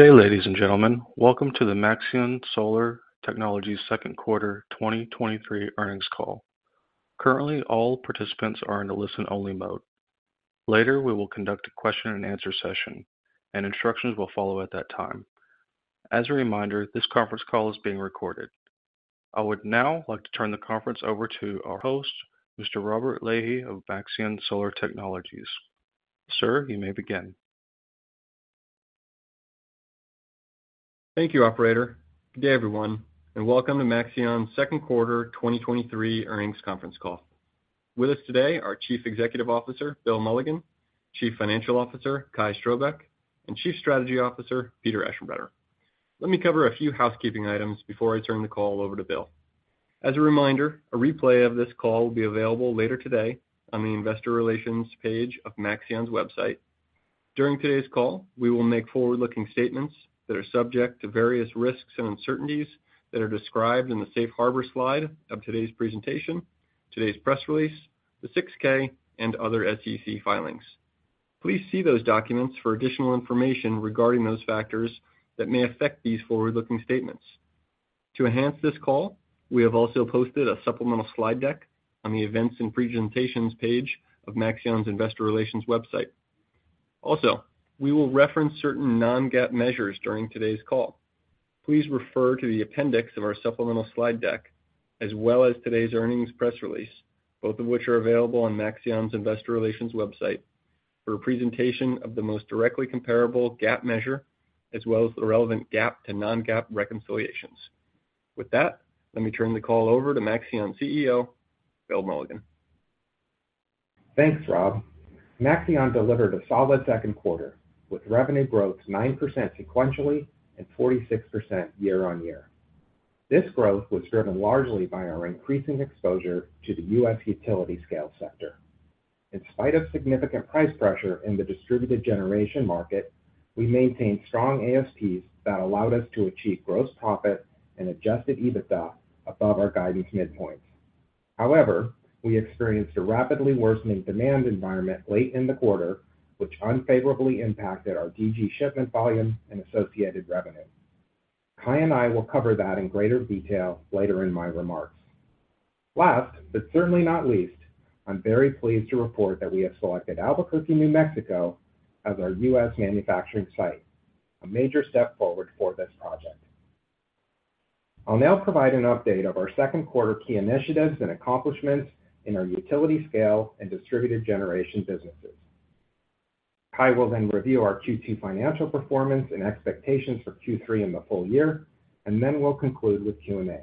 Good day, ladies and gentlemen. Welcome to the Maxeon Solar Technologies Second Quarter 2023 earnings call. Currently, all participants are in a listen-only mode. Later, we will conduct a question and answer session, and instructions will follow at that time. As a reminder, this conference call is being recorded. I would now like to turn the conference over to our host, Mr. Robert Leidy of Maxeon Solar Technologies. Sir, you may begin. Thank you, operator. Good day, everyone, and welcome to Maxeon's second quarter 2023 earnings conference call. With us today are Chief Executive Officer, Bill Mulligan, Chief Financial Officer, Kai Strohbecke, and Chief Strategy Officer, Peter Aschenbrenner. Let me cover a few housekeeping items before I turn the call over to Bill. As a reminder, a replay of this call will be available later today on the investor relations page of Maxeon's website. During today's call, we will make forward-looking statements that are subject to various risks and uncertainties that are described in the Safe Harbor slide of today's presentation, today's press release, the 6-K, and other SEC filings. Please see those documents for additional information regarding those factors that may affect these forward-looking statements. To enhance this call, we have also posted a supplemental slide deck on the Events and Presentations page of Maxeon's investor relations website. Also, we will reference certain non-GAAP measures during today's call. Please refer to the appendix of our supplemental slide deck, as well as today's earnings press release, both of which are available on Maxeon's investor relations website, for a presentation of the most directly comparable GAAP measure, as well as the relevant GAAP and non-GAAP reconciliations. With that, let me turn the call over to Maxeon's CEO, Bill Mulligan. Thanks, Rob. Maxeon delivered a solid second quarter, with revenue growth 9% sequentially and 46% year-over-year. This growth was driven largely by our increasing exposure to the U.S. utility scale sector. In spite of significant price pressure in the distributed generation market, we maintained strong ASPs that allowed us to achieve gross profit and adjusted EBITDA above our guidance midpoints. We experienced a rapidly worsening demand environment late in the quarter, which unfavorably impacted our DG shipment volume and associated revenue. Kai and I will cover that in greater detail later in my remarks. Last, but certainly not least, I'm very pleased to report that we have selected Albuquerque, New Mexico, as our U.S. manufacturing site, a major step forward for this project. I'll now provide an update of our second quarter key initiatives and accomplishments in our utility scale and distributed generation businesses. Kai will then review our Q2 financial performance and expectations for Q3 and the full year. Then we'll conclude with Q&A.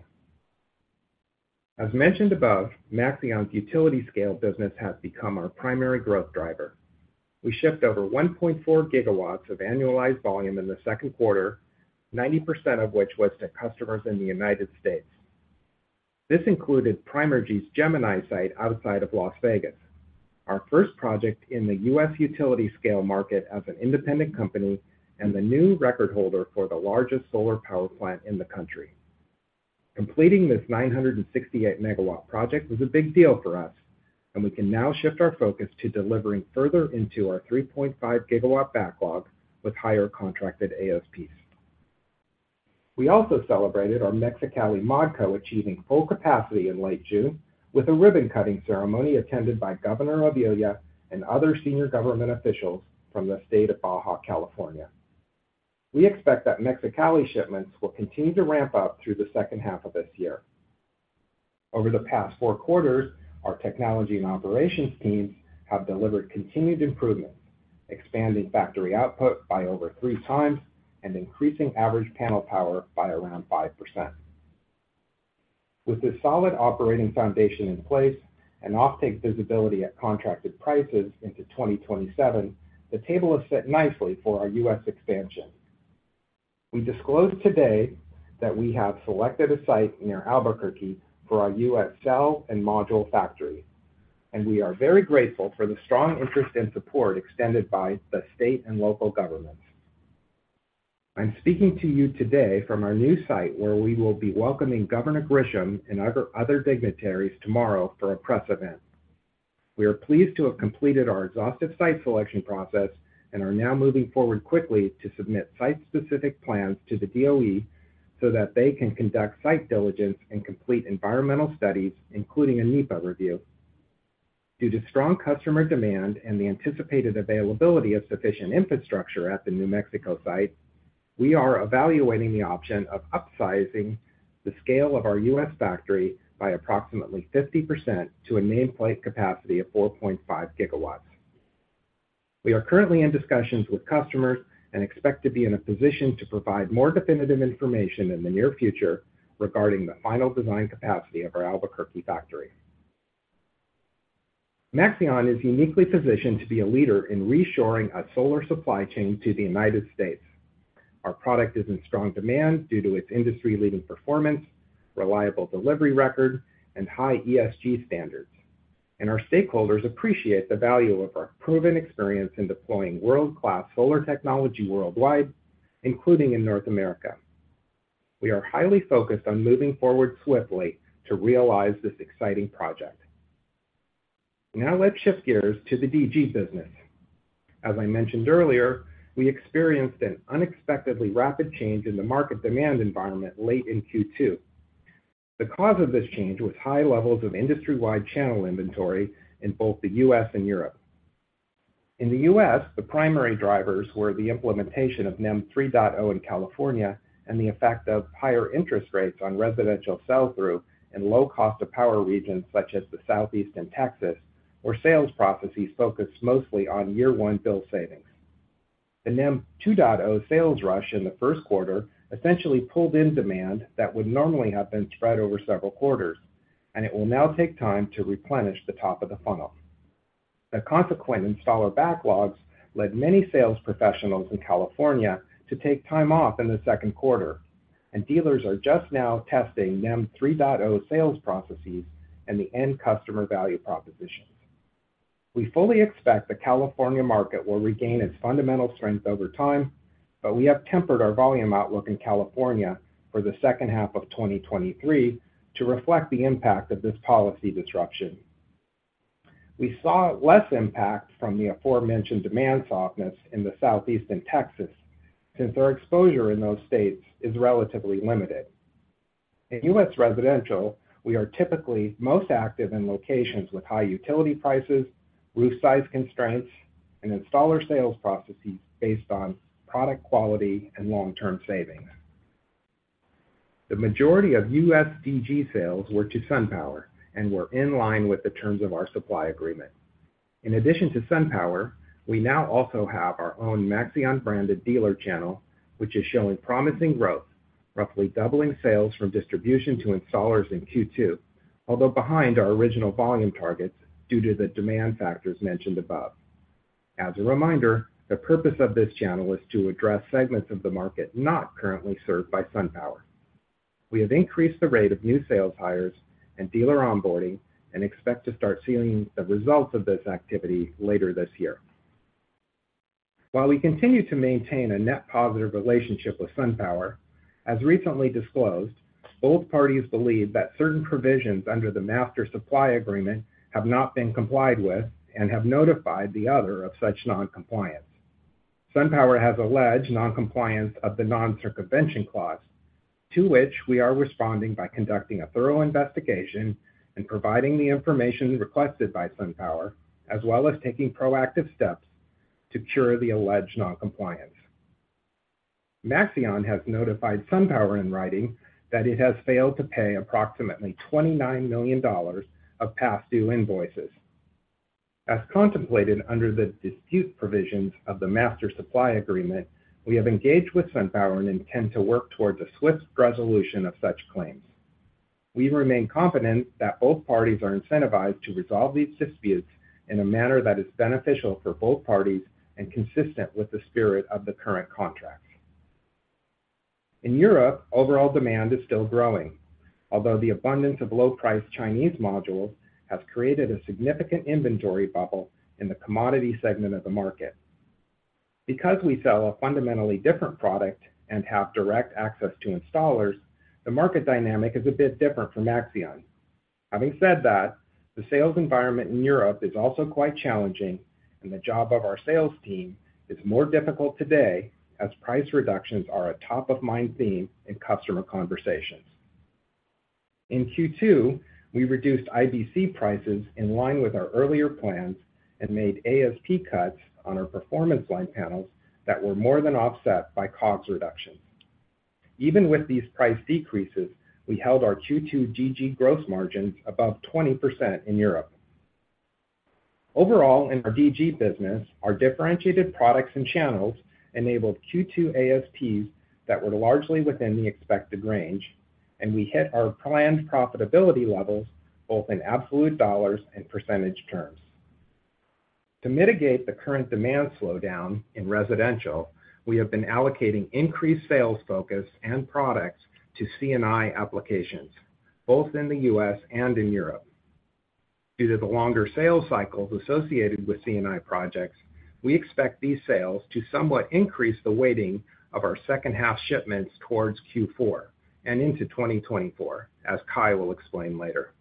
As mentioned above, Maxeon's utility scale business has become our primary growth driver. We shipped over 1.4 GW of annualized volume in the second quarter, 90% of which was to customers in the United States. This included Primergy's Gemini site outside of Las Vegas, our first project in the U.S. utility scale market as an independent company and the new record holder for the largest solar power plant in the country. Completing this 968 MW project was a big deal for us. We can now shift our focus to delivering further into our 3.5 GW backlog with higher contracted ASPs. We also celebrated our Mexicali Modco achieving full capacity in late June with a ribbon-cutting ceremony attended by Marina del Pilar Ávila Olmeda and other senior government officials from the state of Baja California. We expect that Mexicali shipments will continue to ramp up through the second half of this year. Over the past four quarters, our technology and operations teams have delivered continued improvement, expanding factory output by over three times and increasing average panel power by around 5%. With this solid operating foundation in place and offtake visibility at contracted prices into 2027, the table is set nicely for our U.S. expansion. We disclosed today that we have selected a site near Albuquerque for our US cell and module factory, and we are very grateful for the strong interest and support extended by the state and local governments. I'm speaking to you today from our new site, where we will be welcoming Governor Grisham and other, other dignitaries tomorrow for a press event. We are pleased to have completed our exhaustive site selection process and are now moving forward quickly to submit site-specific plans to the DOE, so that they can conduct site diligence and complete environmental studies, including a NEPA review. Due to strong customer demand and the anticipated availability of sufficient infrastructure at the New Mexico site, we are evaluating the option of upsizing the scale of our U.S. factory by approximately 50% to a nameplate capacity of 4.5 gigawatts. We are currently in discussions with customers and expect to be in a position to provide more definitive information in the near future regarding the final design capacity of our Albuquerque factory. Maxeon is uniquely positioned to be a leader in reshoring a solar supply chain to the United States. Our product is in strong demand due to its industry-leading performance, reliable delivery record, and high ESG standards. Our stakeholders appreciate the value of our proven experience in deploying world-class solar technology worldwide, including in North America. We are highly focused on moving forward swiftly to realize this exciting project. Now let's shift gears to the DG business. As I mentioned earlier, we experienced an unexpectedly rapid change in the market demand environment late in Q2. The cause of this change was high levels of industry-wide channel inventory in both the U..S and Europe. In the U.S., the primary drivers were the implementation of NEM 3.0 in California, and the effect of higher interest rates on residential sell-through in low cost of power regions such as the Southeast and Texas, where sales processes focused mostly on year one bill savings. The NEM 2.0 sales rush in the first quarter essentially pulled in demand that would normally have been spread over several quarters, and it will now take time to replenish the top of the funnel. The consequent installer backlogs led many sales professionals in California to take time off in the second quarter, and dealers are just now testing NEM 3.0 sales processes and the end customer value propositions. We fully expect the California market will regain its fundamental strength over time, we have tempered our volume outlook in California for the second half of 2023 to reflect the impact of this policy disruption. We saw less impact from the aforementioned demand softness in the Southeast and Texas, since our exposure in those states is relatively limited. In U.S. residential, we are typically most active in locations with high utility prices, roof size constraints, and installer sales processes based on product quality and long-term savings. The majority of U.S. DG sales were to SunPower and were in line with the terms of our supply agreement. In addition to SunPower, we now also have our own Maxeon-branded dealer channel, which is showing promising growth, roughly doubling sales from distribution to installers in Q2, although behind our original volume targets due to the demand factors mentioned above. As a reminder, the purpose of this channel is to address segments of the market not currently served by SunPower. We have increased the rate of new sales hires and dealer onboarding, and expect to start seeing the results of this activity later this year. While we continue to maintain a net positive relationship with SunPower, as recently disclosed, both parties believe that certain provisions under the Master Supply Agreement have not been complied with and have notified the other of such non-compliance. SunPower has alleged non-compliance of the non-circumvention clause, to which we are responding by conducting a thorough investigation and providing the information requested by SunPower, as well as taking proactive steps to cure the alleged non-compliance. Maxeon has notified SunPower in writing that it has failed to pay approximately $29 million of past due invoices. As contemplated under the dispute provisions of the Master Supply Agreement, we have engaged with SunPower and intend to work towards a swift resolution of such claims. We remain confident that both parties are incentivized to resolve these disputes in a manner that is beneficial for both parties and consistent with the spirit of the current contract. In Europe, overall demand is still growing, although the abundance of low-priced Chinese modules has created a significant inventory bubble in the commodity segment of the market. Because we sell a fundamentally different product and have direct access to installers, the market dynamic is a bit different for Maxeon. Having said that, the sales environment in Europe is also quite challenging, and the job of our sales team is more difficult today as price reductions are a top-of-mind theme in customer conversations. In Q2, we reduced IBC prices in line with our earlier plans and made ASP cuts on our Performance line panels that were more than offset by COGS reductions. Even with these price decreases, we held our Q2 DG gross margins above 20% in Europe. Overall, in our DG business, our differentiated products and channels enabled Q2 ASPs that were largely within the expected range, and we hit our planned profitability levels both in absolute dollars and percentage terms. To mitigate the current demand slowdown in residential, we have been allocating increased sales focus and products to C&I applications, both in the U.S. and in Europe. Due to the longer sales cycles associated with C&I projects, we expect these sales to somewhat increase the weighting of our second half shipments towards Q4 and into 2024, as Kai will explain later.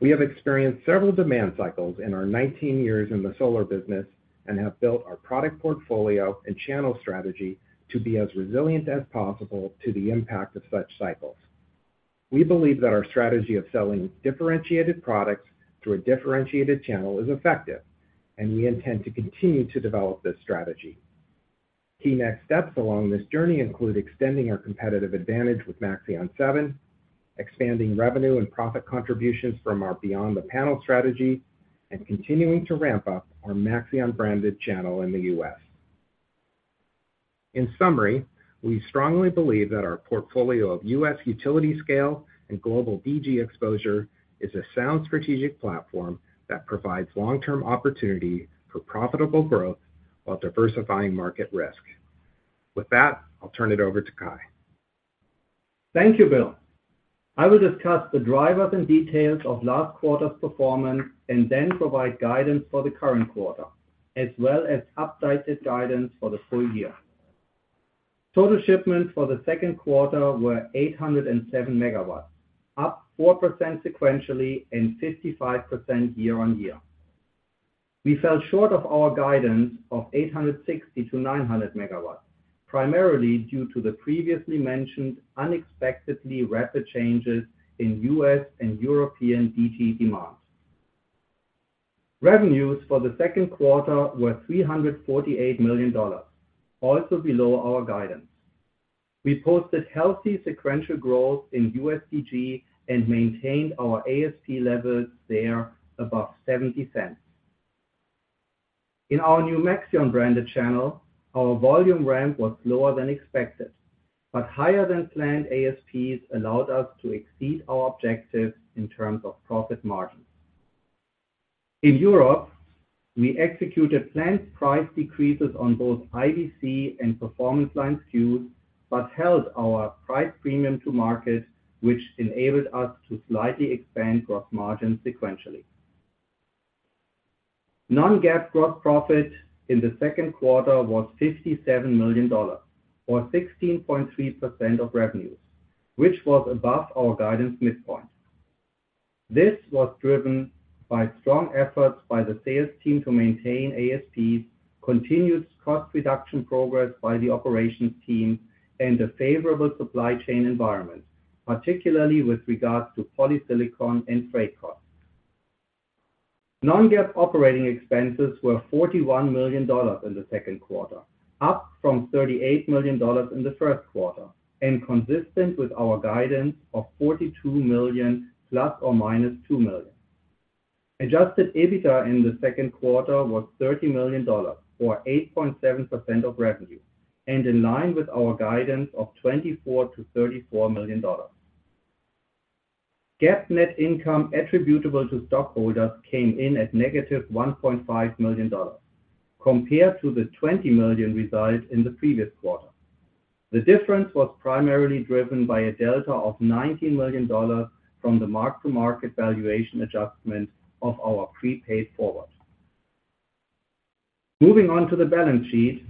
We have experienced several demand cycles in our 19 years in the solar business and have built our product portfolio and channel strategy to be as resilient as possible to the impact of such cycles. We believe that our strategy of selling differentiated products through a differentiated channel is effective, and we intend to continue to develop this strategy. Key next steps along this journey include extending our competitive advantage with Maxeon 7, expanding revenue and profit contributions from our Beyond the Panel strategy, and continuing to ramp up our Maxeon-branded channel in the US. In summary, we strongly believe that our portfolio of US utility scale and global DG exposure is a sound strategic platform that provides long-term opportunity for profitable growth while diversifying market risk. With that, I'll turn it over to Kai. Thank you, Bill. I will discuss the drivers and details of last quarter's performance, and then provide guidance for the current quarter, as well as updated guidance for the full year. Total shipments for the second quarter were 807 megawatts, up 4% sequentially and 55% year-on-year. We fell short of our guidance of 860-900 megawatts, primarily due to the previously mentioned unexpectedly rapid changes in U.S. and European DG demand. Revenues for the second quarter were $348 million, also below our guidance. We posted healthy sequential growth in U.S. DG and maintained our ASP levels there above $0.70. In our new Maxeon-branded channel, our volume ramp was lower than expected, but higher than planned ASPs allowed us to exceed our objectives in terms of profit margins. In Europe, we executed planned price decreases on both IBC and Performance line SKUs, held our price premium to market, which enabled us to slightly expand gross margins sequentially. Non-GAAP gross profit in the second quarter was $57 million, or 16.3% of revenues, which was above our guidance midpoint. This was driven by strong efforts by the sales team to maintain ASPs, continued cost reduction progress by the operations team, and a favorable supply chain environment, particularly with regards to polysilicon and freight costs. Non-GAAP operating expenses were $41 million in the second quarter, up from $38 million in the first quarter, and consistent with our guidance of $42 million ± $2 million. Adjusted EBITDA in the second quarter was $30 million, or 8.7% of revenue, and in line with our guidance of $24 million-$34 million. GAAP net income attributable to stockholders came in at negative $1.5 million, compared to the 20 million result in the previous quarter. The difference was primarily driven by a delta of $19 million from the mark-to-market valuation adjustment of our prepaid forward. Moving on to the balance sheet.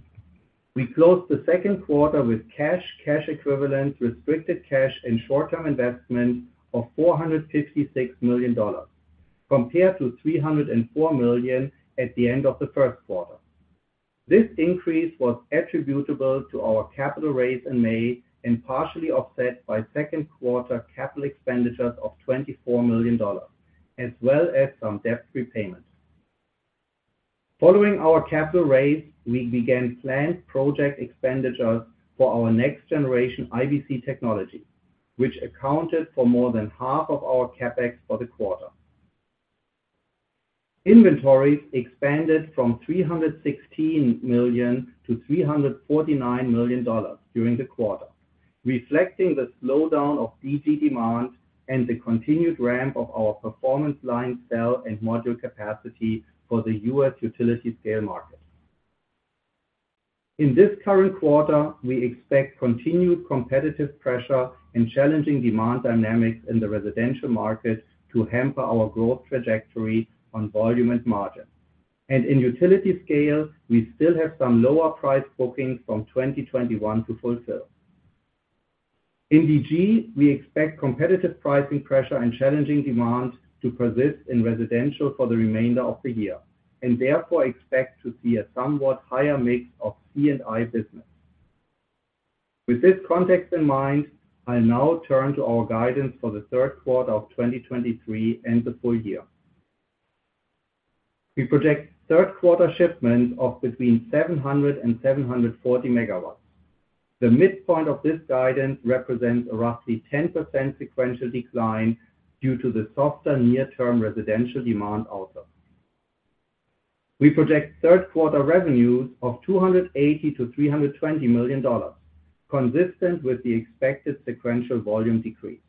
We closed the second quarter with cash, cash equivalent, restricted cash, and short-term investment of $456 million, compared to 304 million at the end of the first quarter. This increase was attributable to our capital raise in May and partially offset by second quarter CapEx of $24 million, as well as some debt repayments. Following our capital raise, we began planned project expenditures for our next generation IBC technology, which accounted for more than half of our CapEx for the quarter. Inventories expanded from $316 million to $349 million during the quarter, reflecting the slowdown of DG demand and the continued ramp of our Performance line cell and module capacity for the U.S. utility scale market. In this current quarter, we expect continued competitive pressure and challenging demand dynamics in the residential market to hamper our growth trajectory on volume and margin. In utility scale, we still have some lower priced bookings from 2021 to fulfill. In DG, we expect competitive pricing pressure and challenging demand to persist in residential for the remainder of the year, and therefore expect to see a somewhat higher mix of C&I business. With this context in mind, I'll now turn to our guidance for the third quarter of 2023 and the full year. We project third quarter shipments of between 700 and 740 megawatts. The midpoint of this guidance represents a roughly 10% sequential decline due to the softer near-term residential demand outlook. We project third quarter revenues of $280 million-$320 million, consistent with the expected sequential volume decrease.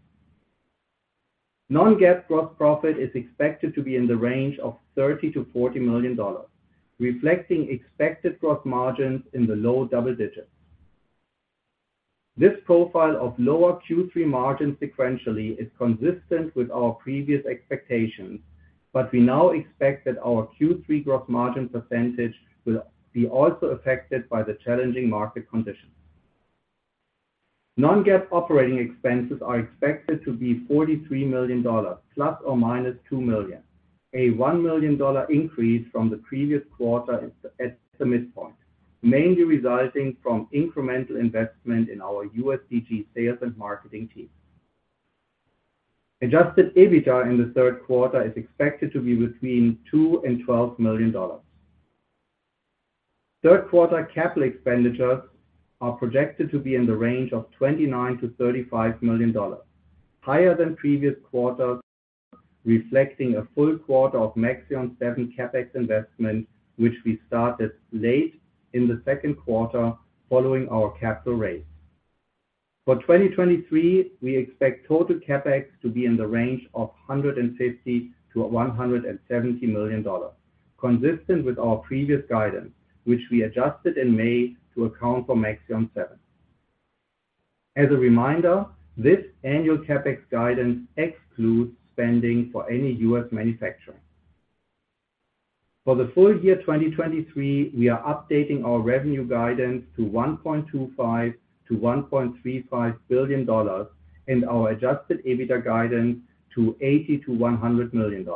Non-GAAP gross profit is expected to be in the range of $30 million-$40 million, reflecting expected gross margins in the low double digits. This profile of lower Q3 margins sequentially is consistent with our previous expectations. We now expect that our Q3 gross margin percentage will be also affected by the challenging market conditions. non-GAAP operating expenses are expected to be $43 million, ±$2 million, a $1 million increase from the previous quarter at the midpoint, mainly resulting from incremental investment in our U.S. DG sales and marketing team. Adjusted EBITDA in the third quarter is expected to be between $2 million and $12 million. Third quarter capital expenditures are projected to be in the range of $29 million-$35 million, higher than previous quarters, reflecting a full quarter of Maxeon 7 CapEx investment, which we started late in the second quarter following our capital raise. For 2023, we expect total CapEx to be in the range of $150 million-$170 million, consistent with our previous guidance, which we adjusted in May to account for Maxeon 7. As a reminder, this annual CapEx guidance excludes spending for any U.S. manufacturing. For the full year 2023, we are updating our revenue guidance to $1.25 billion-$1.35 billion, and our adjusted EBITDA guidance to $80 million-$100 million.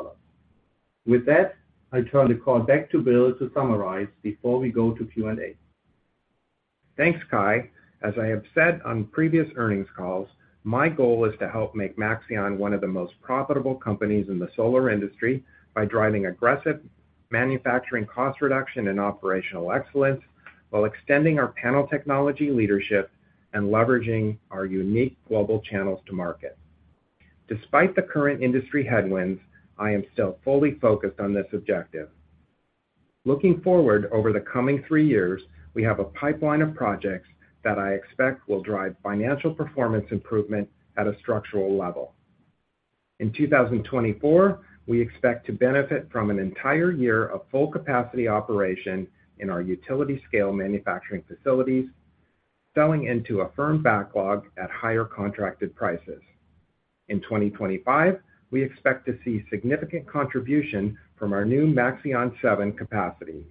With that, I turn the call back to Bill to summarize before we go to Q&A. Thanks, Kai. As I have said on previous earnings calls, my goal is to help make Maxeon one of the most profitable companies in the solar industry by driving aggressive manufacturing cost reduction and operational excellence, while extending our panel technology leadership and leveraging our unique global channels to market. Despite the current industry headwinds, I am still fully focused on this objective. Looking forward over the coming three years, we have a pipeline of projects that I expect will drive financial performance improvement at a structural level. In 2024, we expect to benefit from an entire year of full capacity operation in our utility scale manufacturing facilities, selling into a firm backlog at higher contracted prices. In 2025, we expect to see significant contribution from our new Maxeon 7 capacity.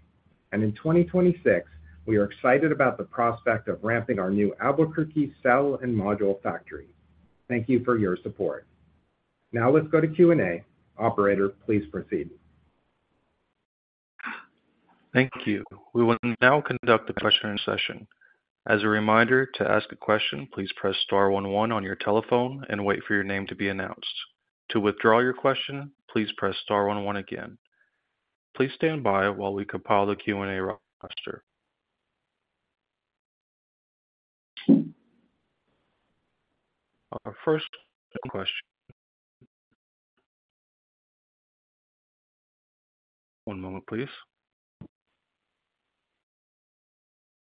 In 2026, we are excited about the prospect of ramping our new Albuquerque cell and module factory. Thank you for your support. Now let's go to Q&A. Operator, please proceed. Thank you. We will now conduct the question session. As a reminder, to ask a question, please press star one one on your telephone and wait for your name to be announced. To withdraw your question, please press star one one again. Please stand by while we compile the Q&A roster. Our first question. One moment, please.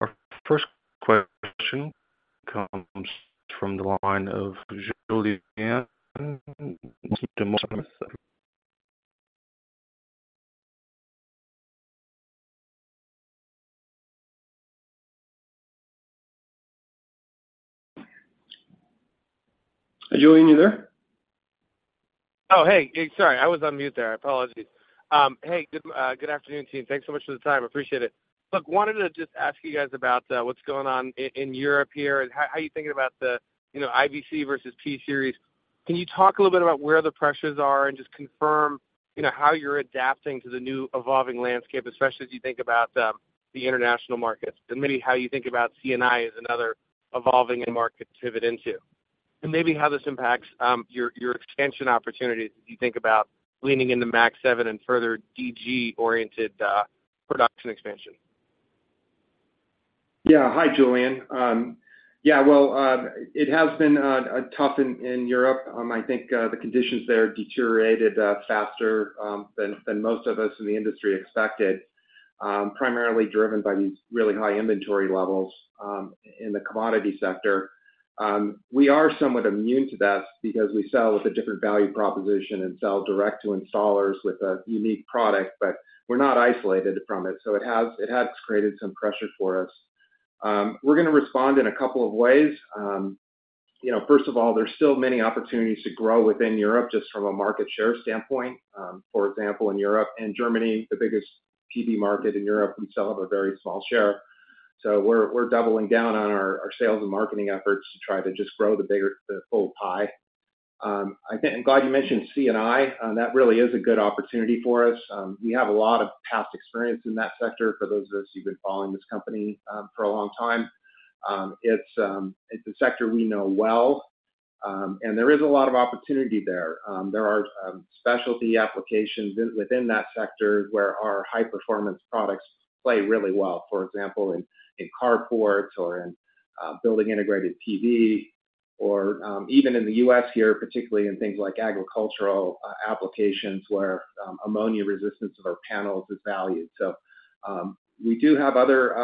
Our first question comes from the line of Julien Dumoulin-Smith. Are you in there? Oh, hey, sorry, I was on mute there. I apologize. Hey, good, good afternoon, team. Thanks so much for the time, appreciate it. Look, wanted to just ask you guys about what's going on in, in Europe here, and how, how are you thinking about the, you know, IBC versus P-Series? Can you talk a little bit about where the pressures are and just confirm, you know, how you're adapting to the new evolving landscape, especially as you think about the international markets, and maybe how you think about C&I as another evolving and market to pivot into? And maybe how this impacts your, your expansion opportunities as you think about leaning into Maxeon 7 and further DG-oriented production expansion. Yeah. Hi, Julien. Yeah, well, it has been tough in Europe. I think the conditions there deteriorated faster than most of us in the industry expected, primarily driven by these really high inventory levels in the commodity sector. We are somewhat immune to that because we sell with a different value proposition and sell direct to installers with a unique product, but we're not isolated from it, so it has, it has created some pressure for us. We're gonna respond in a couple of ways. You know, first of all, there's still many opportunities to grow within Europe, just from a market share standpoint. For example, in Europe and Germany, the biggest PV market in Europe, we still have a very small share. We're, we're doubling down on our, our sales and marketing efforts to try to just grow the bigger, the full pie. I think-- I'm glad you mentioned C&I. That really is a good opportunity for us. We have a lot of past experience in that sector, for those of us who've been following this company, for a long time. It's, it's a sector we know well, and there is a lot of opportunity there. There are, specialty applications in, within that sector where our high-performance products play really well, for example, in, in carports or in, building-integrated PV, or, even in the US here, particularly in things like agricultural, applications, where, ammonia resistance of our panels is valued. We do have other,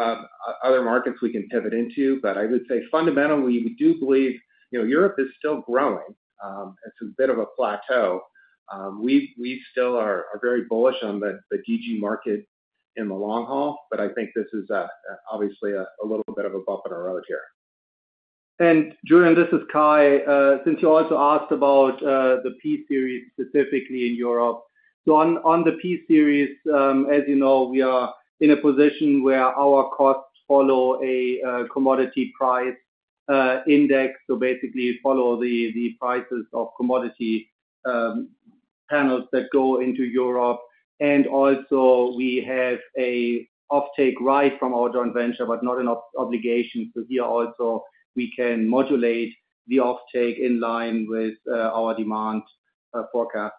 other markets we can pivot into, but I would say fundamentally, we do believe, you know, Europe is still growing. It's a bit of a plateau. We, we still are, are very bullish on the, the DG market in the long haul, but I think this is, obviously a, a little bit of a bump in the road here. Julien Dumoulin-Smith, this is Kai. Since you also asked about the P-Series specifically in Europe. On, on the P-Series, as you know, we are in a position where our costs follow a commodity price index, so basically follow the prices of commodity panels that go into Europe. Also we have a offtake right from our joint venture, but not an obligation, so here also, we can modulate the offtake in line with our demand forecast.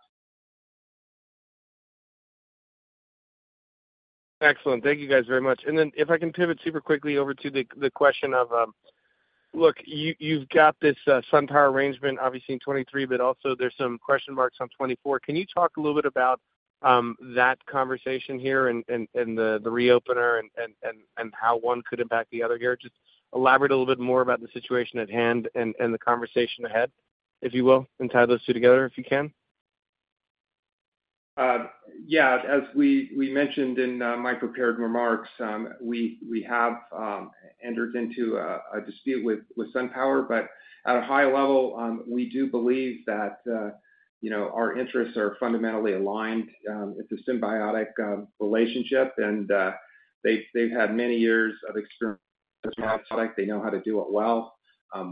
Excellent. Thank you guys very much. If I can pivot super quickly over to the, the question of... Look, you, you've got this SunPower arrangement obviously in 2023, but also there's some question marks on 2024. Can you talk a little bit about that conversation here and, and, and the, the reopener and, and, and, and how one could impact the other here? Just elaborate a little bit more about the situation at hand and, and the conversation ahead, if you will, and tie those two together, if you can. Yeah, as we, we mentioned in my prepared remarks, we, we have entered into a, a dispute with, with SunPower, but at a high level, we do believe that, you know, our interests are fundamentally aligned. It's a symbiotic relationship, and they've, they've had many years of experience with our product. They know how to do it well.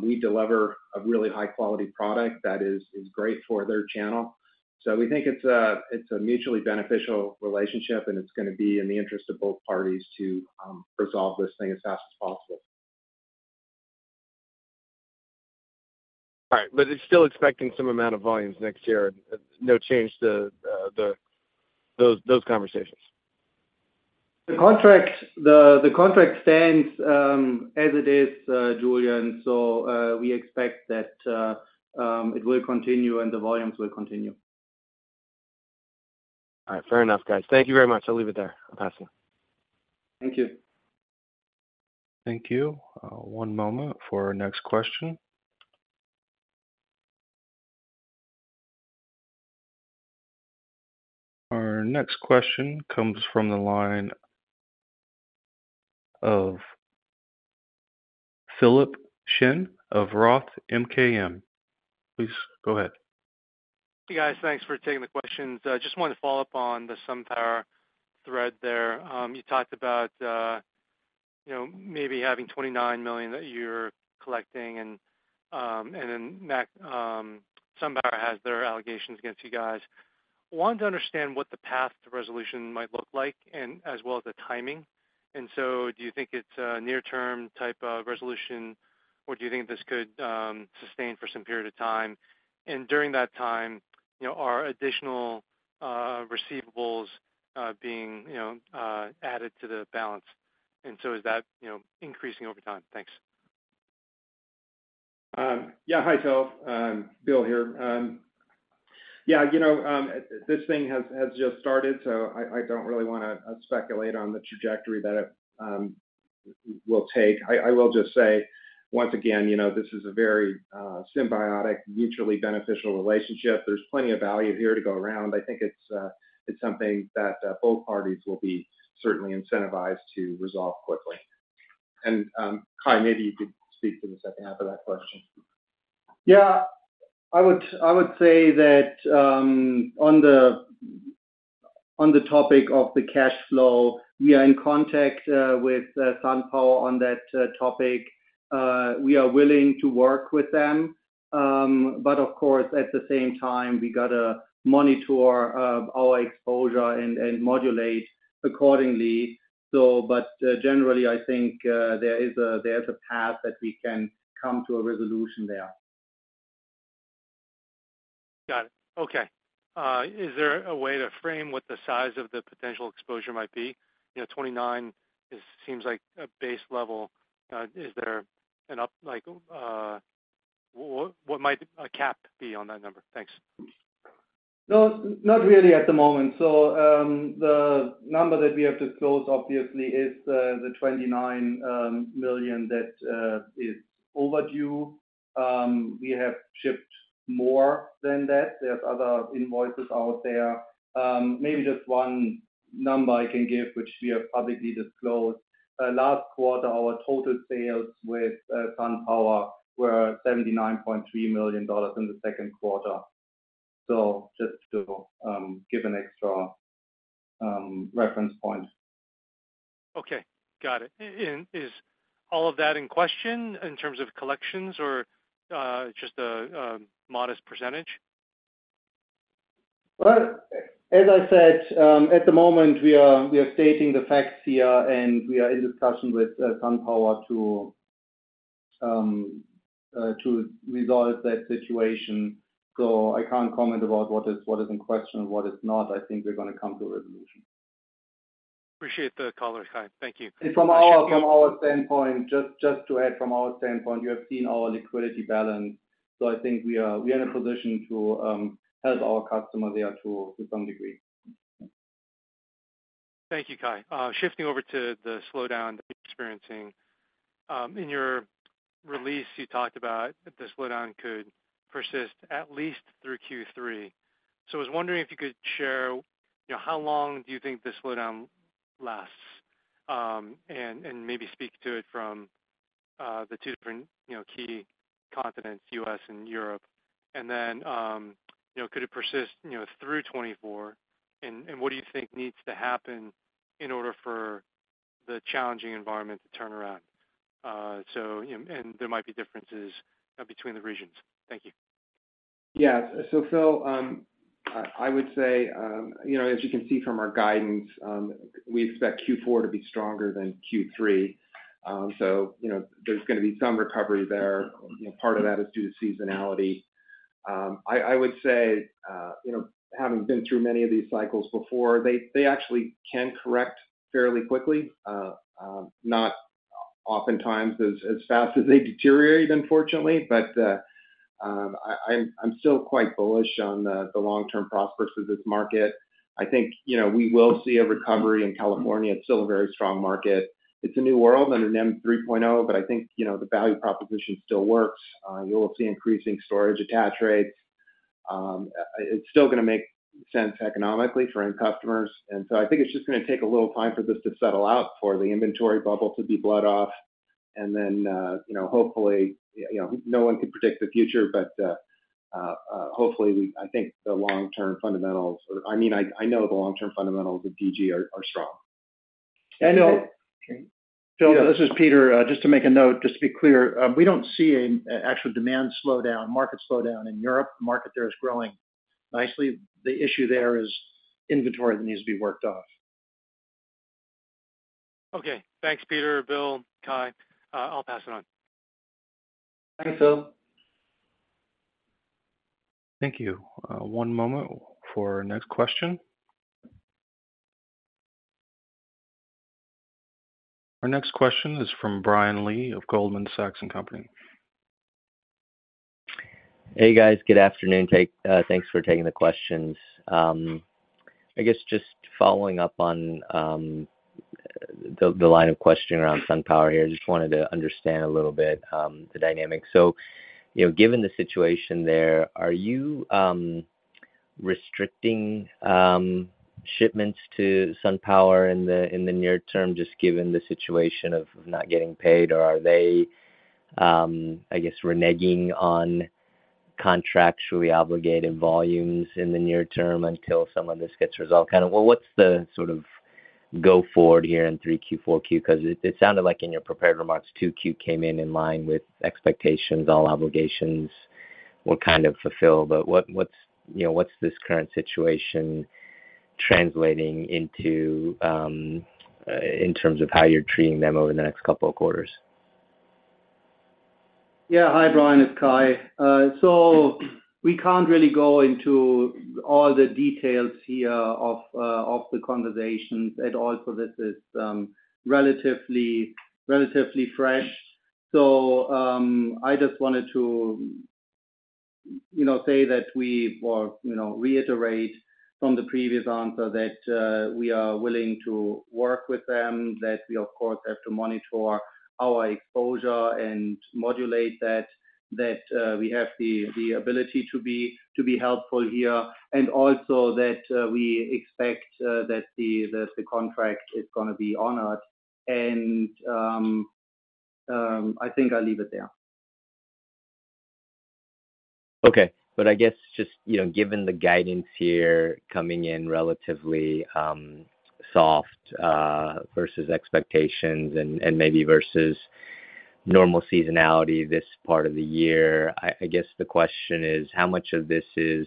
We deliver a really high-quality product that is, is great for their channel. So we think it's a, it's a mutually beneficial relationship, and it's gonna be in the interest of both parties to resolve this thing as fast as possible. All right, it's still expecting some amount of volumes next year. No change to those, those conversations? The contract, the, the contract stands, as it is, Julien Dumoulin-Smith. We expect that, it will continue and the volumes will continue. All right. Fair enough, guys. Thank you very much. I'll leave it there. Passing. Thank you. Thank you. One moment for our next question. Our next question comes from the line of Philip Shen of ROTH MKM. Please go ahead. Hey, guys. Thanks for taking the questions. Just wanted to follow up on the SunPower thread there. You talked about, you know, maybe having 29 million that you're collecting and then, Maxeon, SunPower has their allegations against you guys. Wanted to understand what the path to resolution might look like and as well as the timing. Do you think it's a near-term type of resolution, or do you think this could sustain for some period of time? During that time, you know, are additional receivables being, you know, added to the balance, and so is that, you know, increasing over time? Thanks. Yeah. Hi, Phil. Bill here. Yeah, you know, this thing has, has just started, so I, I don't really want to speculate on the trajectory that it will take. I, I will just say, once again, you know, this is a very symbiotic, mutually beneficial relationship. There's plenty of value here to go around. I think it's, it's something that both parties will be certainly incentivized to resolve quickly. Kai, maybe you could speak to the second half of that question. Yeah. I would, I would say that, on the topic of the cash flow, we are in contact, with SunPower on that topic. We are willing to work with them, but of course, at the same time, we got to monitor, our exposure and modulate accordingly. Generally, I think, there is a path that we can come to a resolution there. Got it. Okay. Is there a way to frame what the size of the potential exposure might be? You know, 29 is seems like a base level. Is there an up, like, what, what might a cap be on that number? Thanks. No, not really at the moment. The number that we have disclosed, obviously, is the $29 million that is overdue. We have shipped more than that. There's other invoices out there. Maybe just 1 number I can give, which we have publicly disclosed. Last quarter, our total sales with SunPower were $79.3 million in the second quarter. Just to give an extra reference point. Okay, got it. Is all of that in question in terms of collections or just a modest percentage? Well, as I said, at the moment, we are, we are stating the facts here, and we are in discussion with SunPower to resolve that situation. I can't comment about what is, what is in question and what is not. I think we're gonna come to a resolution. Appreciate the color, Kai. Thank you. From our standpoint, just to add from our standpoint, you have seen our liquidity balance, so I think we're in a position to help our customer there to some degree. Thank you, Kai. Shifting over to the slowdown you're experiencing. In your release, you talked about that the slowdown could persist at least through Q3. I was wondering if you could share, you know, how long do you think this slowdown lasts, and, and maybe speak to it from the 2 different, you know, key continents, US and Europe? You know, could it persist, you know, through 2024? What do you think needs to happen in order for the challenging environment to turn around? You know, there might be differences between the regions. Thank you. Yeah. Phil, I, I would say, you know, as you can see from our guidance, we expect Q4 to be stronger than Q3. You know, there's gonna be some recovery there. You know, part of that is due to seasonality. I, I would say, you know, having been through many of these cycles before, they, they actually can correct fairly quickly. Not oftentimes as fast as they deteriorated, unfortunately, but I, I'm, I'm still quite bullish on the long-term prospects of this market. I think, you know, we will see a recovery in California. It's still a very strong market. It's a new world and an NEM 3.0, but I think, you know, the value proposition still works. You will see increasing storage attach rates. It's still gonna make sense economically for end customers, and so I think it's just gonna take a little time for this to settle out, for the inventory bubble to be bled off. Then, you know, hopefully, you know, no one can predict the future, but, hopefully, we-- I think the long-term fundamentals, or I mean, I, I know the long-term fundamentals of DG are, are strong. Bill- Okay. Bill, this is Peter. Just to make a note, just to be clear, we don't see an, an actual demand slowdown, market slowdown in Europe. The market there is growing nicely. The issue there is inventory that needs to be worked off. Okay. Thanks, Peter, Bill, Kai. I'll pass it on. Thanks, Bill. Thank you. one moment for our next question. Our next question is from Brian Lee of Goldman Sachs. Hey, guys. Good afternoon. Thanks for taking the questions. I guess just following up on the line of questioning around SunPower here. Just wanted to understand a little bit the dynamics. You know, given the situation there, are you restricting shipments to SunPower in the near term, just given the situation of not getting paid? Or are they, I guess, reneging on contractually obligated volumes in the near term until some of this gets resolved? Kinda, well, what's the sort of go forward here in 3Q, 4Q? 'Cause it sounded like in your prepared remarks, 2Q came in in line with expectations. All obligations were kind of fulfilled. What's, you know, what's this current situation translating into in terms of how you're treating them over the next couple of quarters? Yeah. Hi, Brian, it's Kai. We can't really go into all the details here of the conversations at all, for this is relatively, relatively fresh. I just wanted to, you know, say that we, or, you know, reiterate from the previous answer, that we are willing to work with them, that we, of course, have to monitor our exposure and modulate that, that we have the ability to be helpful here, and also that we expect that the contract is gonna be honored. I think I'll leave it there. Okay. I guess just, you know, given the guidance here coming in relatively soft versus expectations and, and maybe versus normal seasonality this part of the year, I, I guess the question is: How much of this is,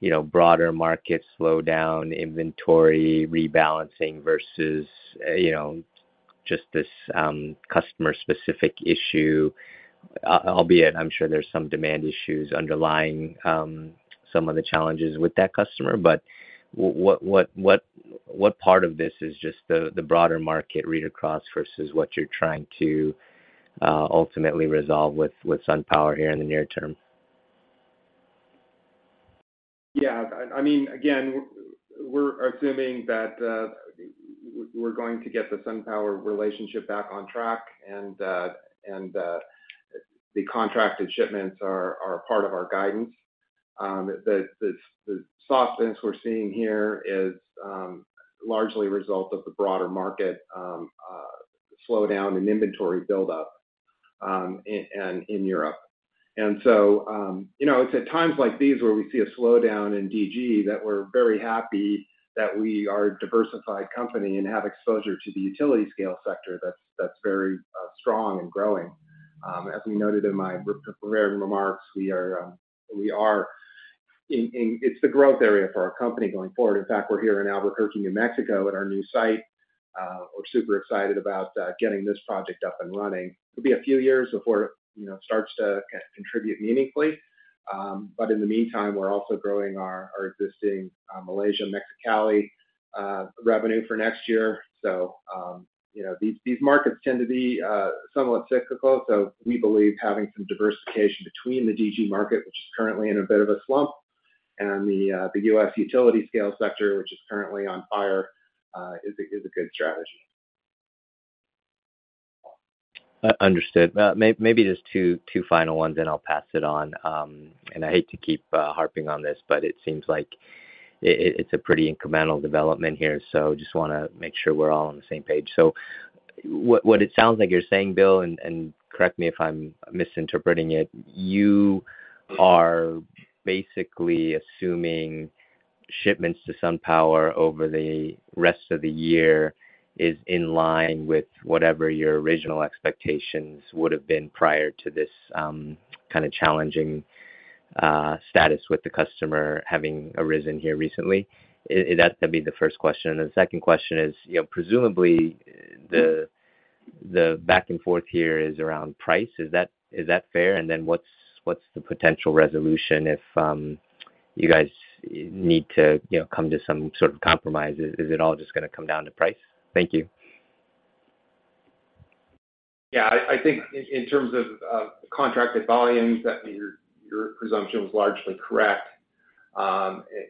you know, broader market slowdown, inventory rebalancing, versus, you know, just this customer-specific issue? Albeit, I'm sure there's some demand issues underlying some of the challenges with that customer. W-what, what, what, what part of this is just the, the broader market read across versus what you're trying to ultimately resolve with, with SunPower here in the near term? Yeah, I, I mean, again, we're assuming that we're going to get the SunPower relationship back on track, and the contracted shipments are part of our guidance. The softness we're seeing here is largely a result of the broader market slowdown and inventory buildup in, and in Europe. You know, it's at times like these where we see a slowdown in DG that we're very happy that we are a diversified company and have exposure to the utility scale sector that's, that's very strong and growing. As we noted in my prepared remarks, we are, we are in, in. It's the growth area for our company going forward. In fact, we're here in Albuquerque, New Mexico, at our new site. We're super excited about getting this project up and running. It'll be a few years before, you know, it starts to contribute meaningfully. But in the meantime, we're also growing our, our existing Malaysia, Mexicali revenue for next year. You know, these, these markets tend to be somewhat cyclical. We believe having some diversification between the DG market, which is currently in a bit of a slump, and the US utility scale sector, which is currently on fire, is a good strategy. Understood. Maybe just two, final ones, then I'll pass it on. I hate to keep harping on this, but it seems like it, it's a pretty incremental development here, so just wanna make sure we're all on the same page. What, what it sounds like you're saying, Bill, and correct me if I'm misinterpreting it, you are basically assuming shipments to SunPower over the rest of the year is in line with whatever your original expectations would have been prior to this kind of challenging status with the customer having arisen here recently. That's gonna be the first question. The second question is, you know, presumably, the back and forth here is around price. Is that, is that fair? Then what's, what's the potential resolution if, you guys need to, you know, come to some sort of compromise? Is, is it all just gonna come down to price? Thank you. Yeah, I, I think in, in terms of, of contracted volumes, that your, your presumption was largely correct.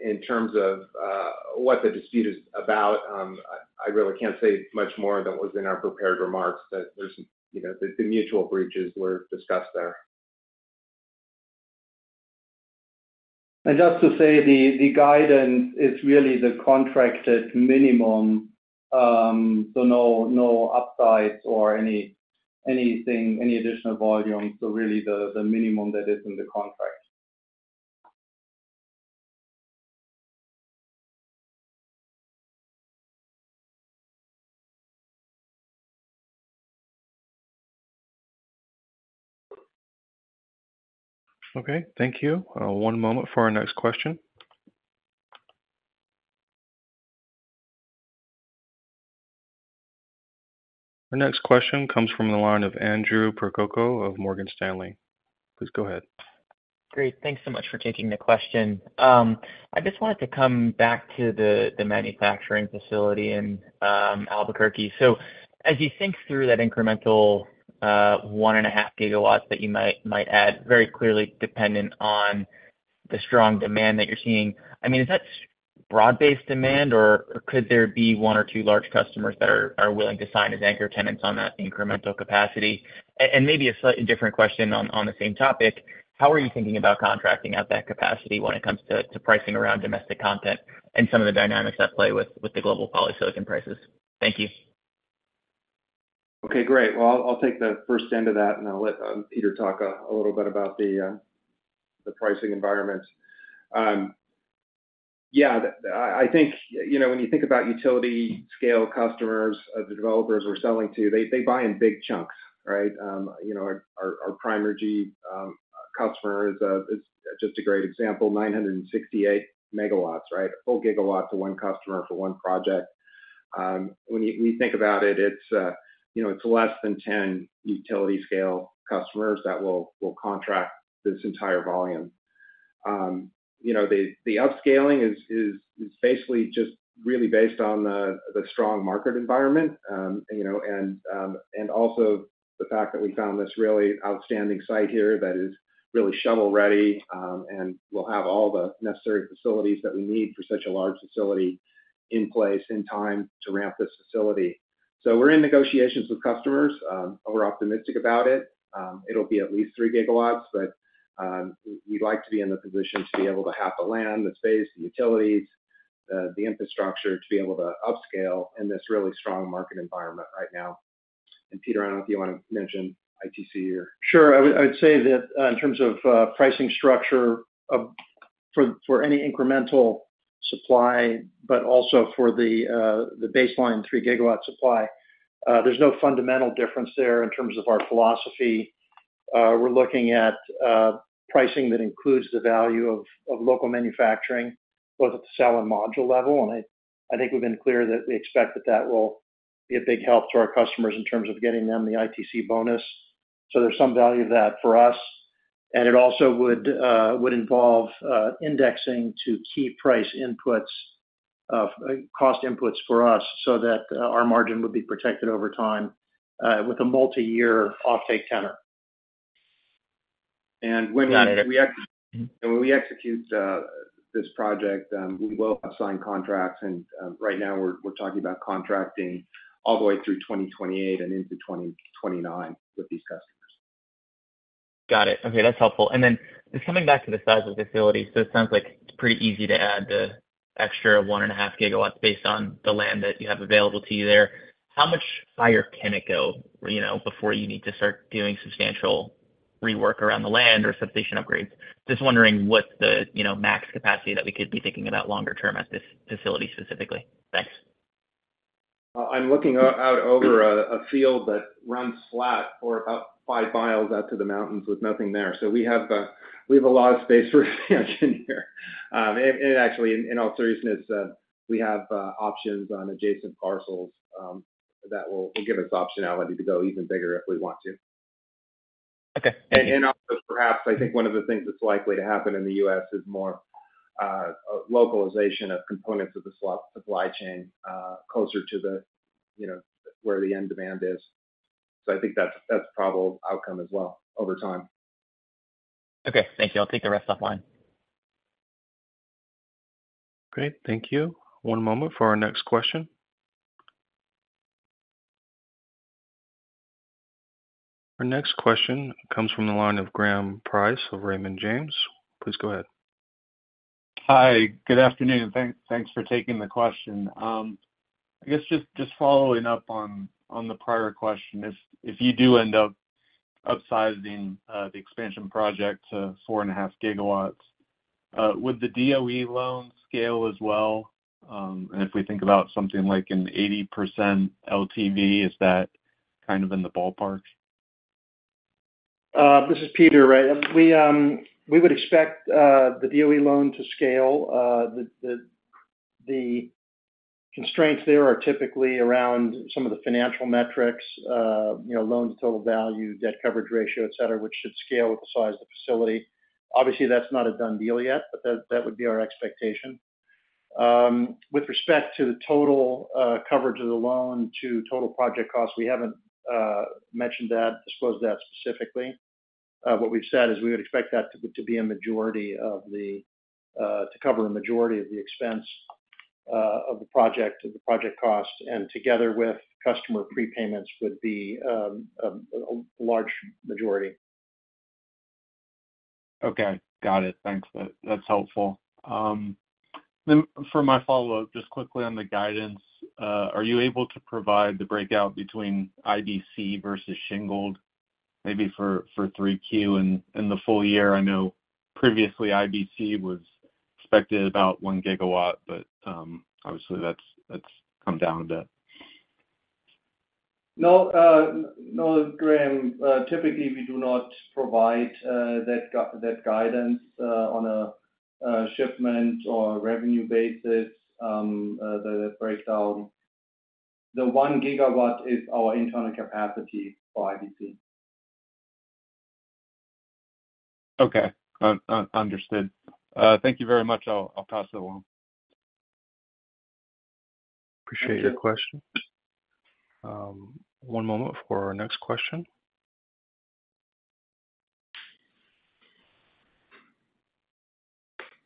In terms of what the dispute is about, I, I really can't say much more than what's in our prepared remarks, that there's, you know, the, the mutual breaches were discussed there. Just to say, the, the guidance is really the contracted minimum, so no, no upsides or any, anything, any additional volume. Really the, the minimum that is in the contract. Okay, thank you. 1 moment for our next question. Our next question comes from the line of Andrew Percoco of Morgan Stanley. Please go ahead. Great. Thanks so much for taking the question. I just wanted to come back to the, the manufacturing facility in Albuquerque. As you think through that incremental 1.5 gigawatts that you might, might add, very clearly dependent on the strong demand that you're seeing, I mean, is that broad-based demand, or, or could there be one or two large customers that are, are willing to sign as anchor tenants on that incremental capacity? Maybe a slightly different question on, on the same topic: How are you thinking about contracting out that capacity when it comes to, to pricing around domestic content and some of the dynamics at play with, with the global polysilicon prices? Thank you. Okay, great. Well, I'll take the first end of that, and I'll let Peter talk a little bit about the pricing environment. Yeah, the... I think, you know, when you think about utility-scale customers of the developers we're selling to, they buy in big chunks, right? You know, our Primergy customer is just a great example, 968 megawatts, right? A full gigawatt to 1 customer for 1 project. When you think about it, it's, you know, less than 10 utility-scale customers that will contract this entire volume. You know, the upscaling is basically just really based on the strong market environment. You know, and also the fact that we found this really outstanding site here that is really shovel-ready, and will have all the necessary facilities that we need for such a large facility in place in time to ramp this facility. We're in negotiations with customers. We're optimistic about it. It'll be at least 3 gigawatts, but we'd like to be in the position to be able to have the land, the space, the utilities, the, the infrastructure to be able to upscale in this really strong market environment right now. Peter, I don't know if you want to mention ITC or? Sure. I'd say that, in terms of pricing structure of, for, for any incremental supply, but also for the baseline 3 gigawatt supply, there's no fundamental difference there in terms of our philosophy. We're looking at pricing that includes the value of, of local manufacturing, both at the cell and module level. I, I think we've been clear that we expect that that will be a big help to our customers in terms of getting them the ITC bonus. There's some value of that for us, and it also would involve indexing to key price inputs, of cost inputs for us, so that our margin would be protected over time, with a multiyear offtake tenor. when we Got it. When we execute this project, we will have signed contracts, and right now we're talking about contracting all the way through 2028 and into 2029 with these customers. Got it. Okay, that's helpful. Then just coming back to the size of the facility, so it sounds like it's pretty easy to add the extra 1.5 gigawatts based on the land that you have available to you there. How much higher can it go, you know, before you need to start doing substantial rework around the land or substation upgrades? Just wondering what the, you know, max capacity that we could be thinking about longer term at this facility specifically. Thanks. Well, I'm looking out, out over a, a field that runs flat for about five miles out to the mountains with nothing there. We have, we have a lot of space for expansion here. Actually, in, in all seriousness, we have options on adjacent parcels, that will give us optionality to go even bigger if we want to. Okay. Also, perhaps, I think one of the things that's likely to happen in the U.S. is more localization of components of the supply chain, closer to the, you know, where the end demand is. I think that's, that's a probable outcome as well over time. Okay, thank you. I'll take the rest offline. Great, thank you. One moment for our next question. Our next question comes from the line of Graham Price of Raymond James. Please go ahead. Hi, good afternoon. Thank, thanks for taking the question. I guess just, just following up on, on the prior question. If, if you do end up upsizing, the expansion project to 4.5 GW, would the DOE loan scale as well? If we think about something like an 80% LTV, is that kind of in the ballpark? This is Peter, right. We, we would expect the DOE loan to scale. The, the, the constraints there are typically around some of the financial metrics, you know, loans, total value, debt coverage ratio, et cetera, which should scale with the size of the facility. Obviously, that's not a done deal yet, but that, that would be our expectation. With respect to the total coverage of the loan to total project costs, we haven't mentioned that, disclosed that specifically. What we've said is we would expect that to be a majority of the, to cover a majority of the expense.... of the project, of the project cost, and together with customer prepayments, would be a large majority. Okay, got it. Thanks. That, that's helpful. For my follow-up, just quickly on the guidance, are you able to provide the breakout between IBC versus shingled, maybe for 3 Q and the full year? I know previously IBC was expected about one gigawatt, but obviously, that's, that's come down a bit. No, no, Graham, typically, we do not provide that guidance, on a shipment or revenue basis, the breakdown. The 1 gigawatt is our internal capacity for IBC. Okay, understood. Thank you very much. I'll pass it along. Appreciate your question. One moment for our next question.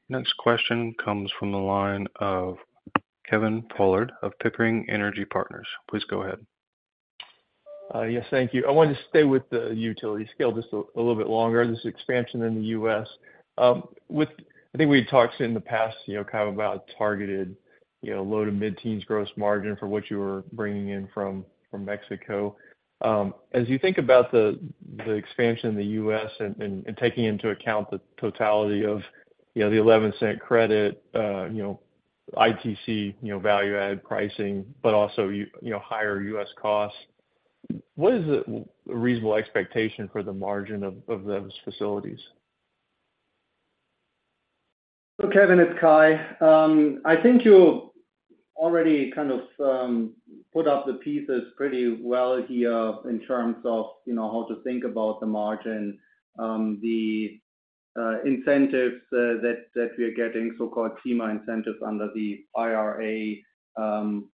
Next question comes from the line of Kevin Poloncarz, of Pickering Tudor, Pickering, Holt & Co. / Piper Sandler. Please go ahead. Yes, thank you. I wanted to stay with the utility scale just a little bit longer, this expansion in the US. With I think we had talked in the past, you know, kind of about targeted, you know, low to mid-teens gross margin for what you were bringing in from Mexico. As you think about the expansion in the US and taking into account the totality of, you know, the $0.11 credit, you know, ITC, you know, value-added pricing, but also, you know, higher US costs, what is the reasonable expectation for the margin of those facilities? Kevin, it's Kai. I think you already kind of put up the pieces pretty well here in terms of, you know, how to think about the margin. The incentives that we are getting, so-called FEMA incentives under the IRA,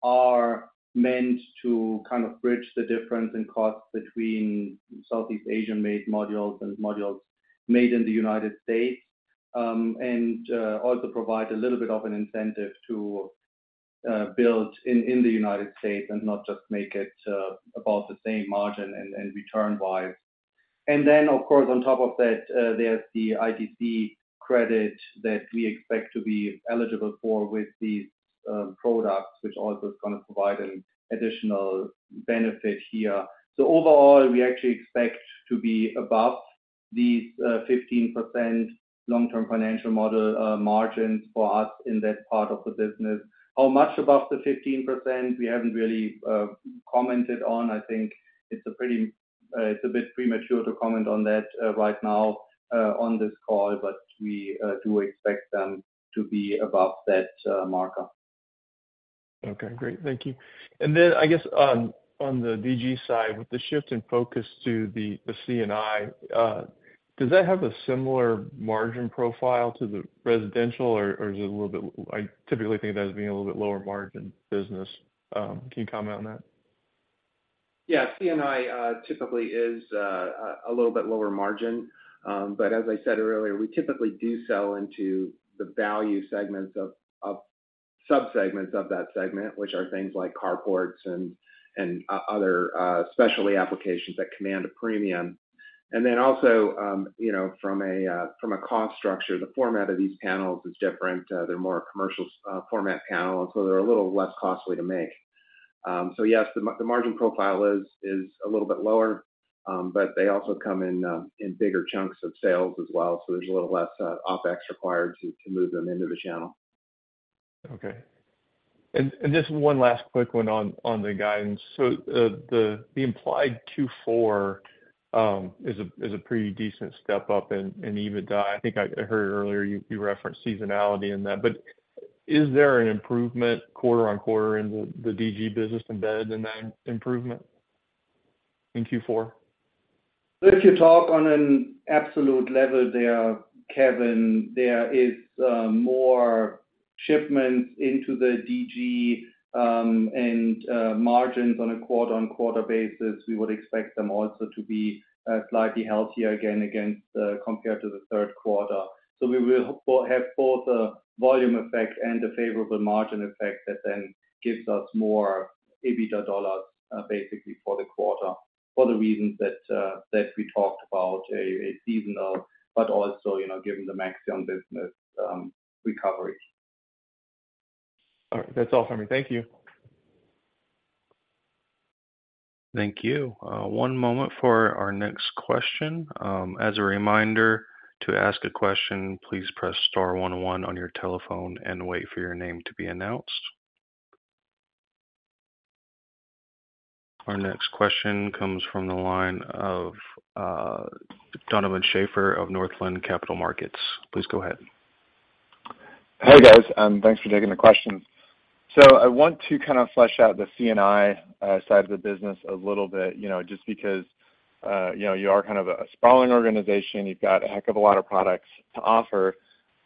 are meant to kind of bridge the difference in costs between Southeast Asian-made modules and modules made in the United States. Also provide a little bit of an incentive to build in the United States and not just make it about the same margin and return-wise. Of course, on top of that, there's the ITC credit that we expect to be eligible for with these products, which also is gonna provide an additional benefit here. Overall, we actually expect to be above these 15% long-term financial model margins for us in that part of the business. How much above the 15%? We haven't really commented on. I think it's a pretty, it's a bit premature to comment on that right now on this call, but we do expect them to be above that marker. Okay, great. Thank you. I guess on, on the DG side, with the shift in focus to the, the C&I, does that have a similar margin profile to the residential? I typically think of that as being a little bit lower margin business. Can you comment on that? Yeah, C&I typically is a little bit lower margin. As I said earlier, we typically do sell into the value segments of subsegments of that segment, which are things like carports and other specialty applications that command a premium. Then also, you know, from a cost structure, the format of these panels is different. They're more commercial format panels, so they're a little less costly to make. Yes, the margin profile is a little bit lower, but they also come in bigger chunks of sales as well, so there's a little less OpEx required to move them into the channel. Okay. Just one last quick one on, on the guidance. The, the, the implied Q4 is a, is a pretty decent step up in, in EBITDA. I think I, I heard earlier you, you referenced seasonality in that. Is there an improvement quarter on quarter in the, the DG business embedded in that improvement in Q4? If you talk on an absolute level there, Kevin, there is more shipments into the DG, and margins on a quarter-on-quarter basis. We would expect them also to be slightly healthier again, against compared to the third quarter. We will have both a volume effect and a favorable margin effect that then gives us more EBITDA dollars, basically for the quarter, for the reasons that we talked about, a seasonal, but also, you know, given the Maxeon business recovery. All right. That's all for me. Thank you. Thank you. One moment for our next question. As a reminder, to ask a question, please press star one one on your telephone and wait for your name to be announced. Our next question comes from the line of Donovan Schafer of Northland Capital Markets. Please go ahead. Hey, guys, thanks for taking the questions. I want to kind of flesh out the C&I side of the business a little bit, you know, just because, you know, you are kind of a sprawling organization. You've got a heck of a lot of products to offer.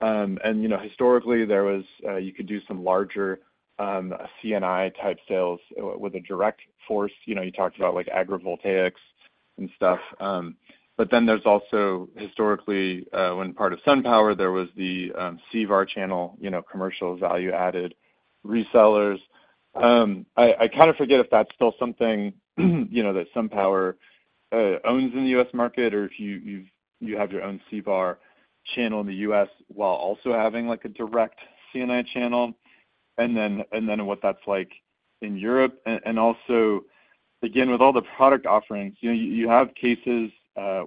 You know, historically, there was, you could do some larger C&I type sales with a direct force. You know, you talked about, like, agrivoltaics.... and stuff. Then there's also historically, when part of SunPower, there was the CVAR channel, you know, Commercial Value-Added Resellers. I, I kind of forget if that's still something, you know, that SunPower owns in the US market, or if you have your own CVAR channel in the US, while also having, like, a direct C&I channel, and then, and then what that's like in Europe. Also, again, with all the product offerings, you know, you have cases,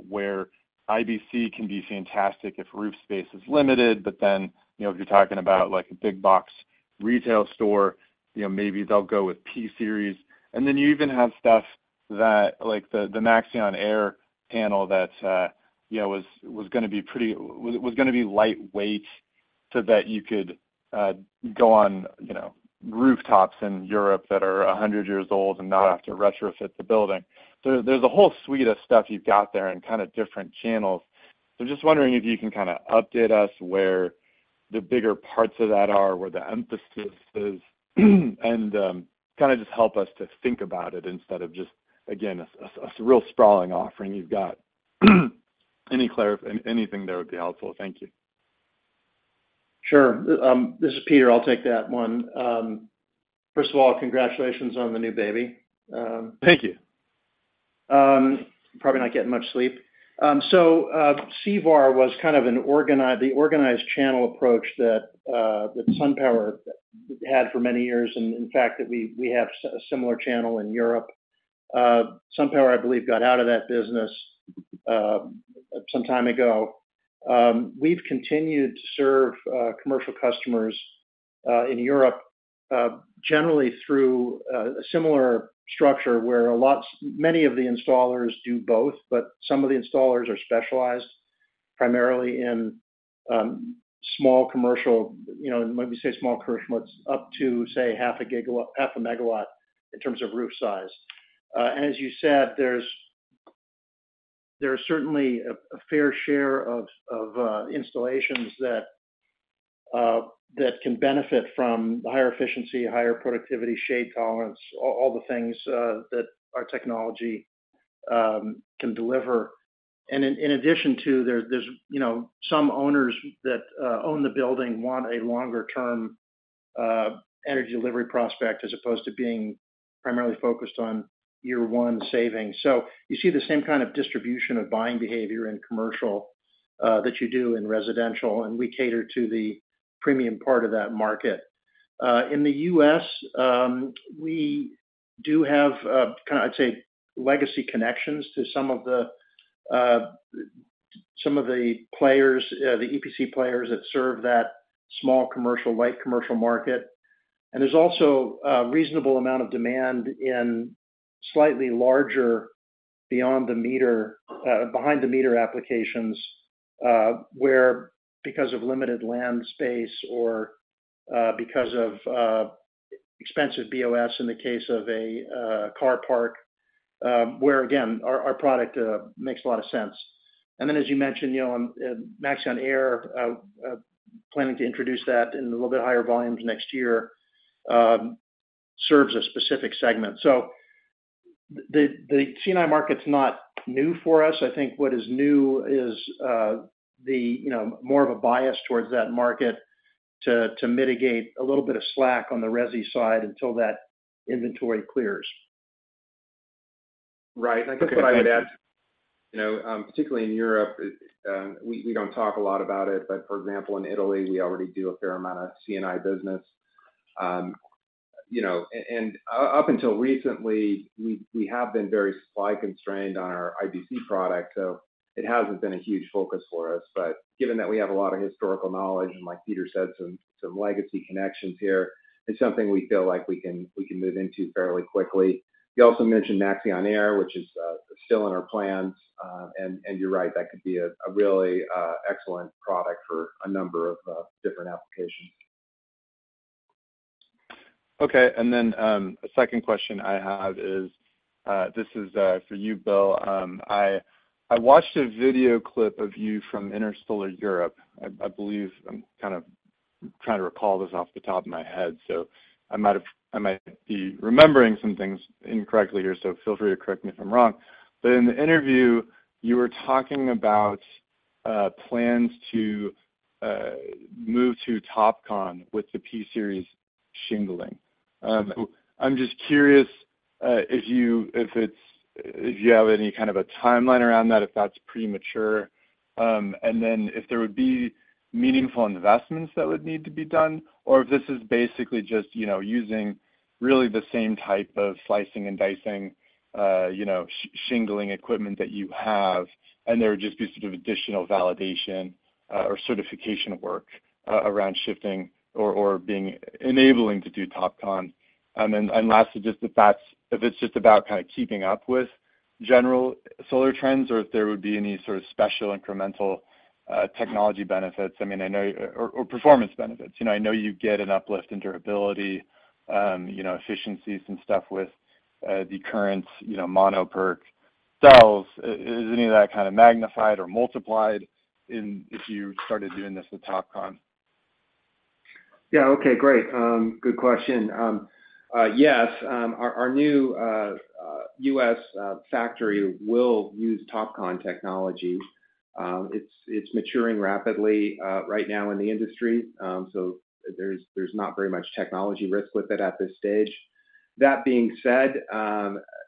where IBC can be fantastic if roof space is limited, but then, you know, if you're talking about, like, a big box retail store, you know, maybe they'll go with P-Series. You even have stuff that, like the, the Maxeon Air panel that, you know, was, was gonna be pretty-- was, was gonna be lightweight, so that you could, go on, you know, rooftops in Europe that are 100 years old and not have to retrofit the building. There's a whole suite of stuff you've got there and kind of different channels. Just wondering if you can kind of update us where the bigger parts of that are, where the emphasis is? Kind of just help us to think about it instead of just, again, a, real sprawling offering you've got. Any anything there would be helpful. Thank you. Sure. This is Peter. I'll take that one. First of all, congratulations on the new baby, Thank you. Probably not getting much sleep. CVAR was kind of an organiz- the organized channel approach that SunPower had for many years, and in fact, that we, we have s- a similar channel in Europe. SunPower, I believe, got out of that business some time ago. We've continued to serve commercial customers in Europe generally through a similar structure, where a lot, many of the installers do both, but some of the installers are specialized, primarily in small commercial. You know, when we say small commercial, it's up to, say, half a gigawatt-- half a megawatt in terms of roof size. As you said, there are certainly a fair share of installations that can benefit from higher efficiency, higher productivity, shade tolerance, all the things that our technology can deliver. In addition to, there's, you know, some owners that own the building want a longer-term energy delivery prospect, as opposed to being primarily focused on year-one savings. You see the same kind of distribution of buying behavior in commercial that you do in residential, and we cater to the premium part of that market. In the US, we do have kind of, I'd say, legacy connections to some of the players, the EPC players that serve that small commercial, light commercial market. There's also a reasonable amount of demand in slightly larger beyond the meter, behind the meter applications, where because of limited land space or because of expensive BOS in the case of a, a car park, where again, our, our product makes a lot of sense. As you mentioned, you know, Maxeon Air, planning to introduce that in a little bit higher volumes next year, serves a specific segment. The C&I market's not new for us. I think what is new is, the, you know, more of a bias towards that market to, to mitigate a little bit of slack on the resi side until that inventory clears. Right. I think what I would add, you know, particularly in Europe, we, we don't talk a lot about it, but for example, in Italy, we already do a fair amount of C&I business. You know, up until recently, we, we have been very supply constrained on our IBC product, so it hasn't been a huge focus for us. Given that we have a lot of historical knowledge, and like Peter said, some, some legacy connections here, it's something we feel like we can, we can move into fairly quickly. You also mentioned Maxeon Air, which is still in our plans. You're right, that could be a really excellent product for a number of different applications. Okay. A second question I have is, this is for you, Bill. I, I watched a video clip of you from Intersolar Europe. I, I believe... I'm kind of trying to recall this off the top of my head, so I might be remembering some things incorrectly here, so feel free to correct me if I'm wrong. In the interview, you were talking about plans to move to TOPCon with the P-Series shingling. I'm just curious, if you have any kind of a timeline around that, if that's premature. If there would be meaningful investments that would need to be done, or if this is basically just, you know, using really the same type of slicing and dicing, you know, shingling equipment that you have, and there would just be sort of additional validation, or certification work around shifting or, or being enabling to do TOPCon. Lastly, just if that's if it's just about kind of keeping up with general solar trends or if there would be any sort of special incremental, technology benefits, I mean, I know, or or performance benefits. You know, I know you get an uplift in durability, you know, efficiencies and stuff with the current, you know, mono PERC cells. Is, is any of that kind of magnified or multiplied in if you started doing this with TOPCon? Yeah. Okay, great. Good question. Yes, our, our new US factory will use TOPCon technology. It's, it's maturing rapidly right now in the industry. There's, there's not very much technology risk with it at this stage. That being said,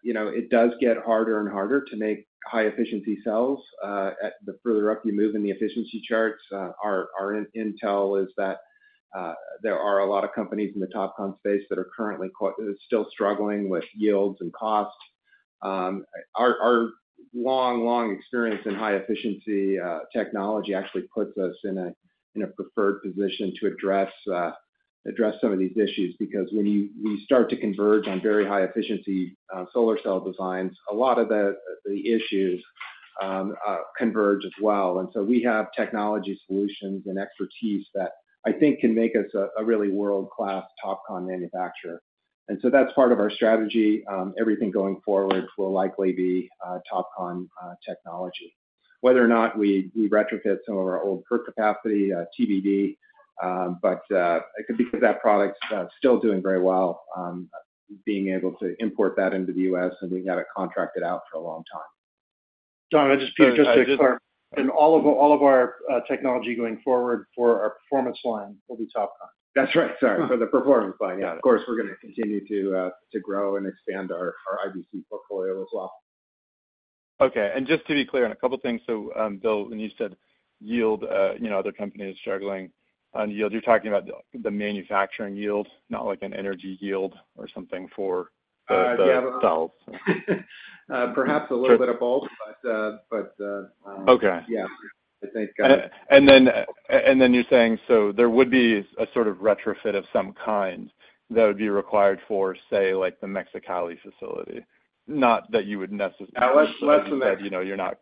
you know, it does get harder and harder to make high-efficiency cells, at the further up you move in the efficiency charts, our, our intel is that, there are a lot of companies in the TOPCon space that are currently still struggling with yields and costs. Our, our long, long experience in high-efficiency technology actually puts us in a, in a preferred position to address, address some of these issues. Because when you, you start to converge on very high efficiency, solar cell designs, a lot of the, the issues, converge as well. We have technology solutions and expertise that I think can make us a, a really world-class TOPCon manufacturer. That's part of our strategy. Everything going forward will likely be TOPCon technology. Whether or not we, we retrofit some of our old PERC capacity, TBD, but, it could be because that product's still doing very well, being able to import that into the US and we've got it contracted out for a long time. Don, this is Peter, just to clarify, all of our technology going forward for our Performance Line will be TOPCon? That's right. Sorry. For the Performance Line Yeah, of course, we're gonna continue to grow and expand our IBC portfolio as well. Okay. Just to be clear on a couple things. Bill, when you said yield, you know, other companies struggling on yield, you're talking about the, the manufacturing yield, not like an energy yield or something for the- Yeah. cells? Perhaps a little bit of both, but. Okay. Yeah, I think got it. You're saying, so there would be a sort of retrofit of some kind that would be required for, say, like the Mexicali facility, not that you would necessarily. Less, less of that. You know, you're not...